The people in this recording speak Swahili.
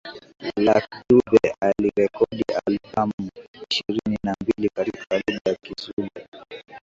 Lucky Dube Alirekodi albamu ishirini na mbili katika lugha ya Kizulu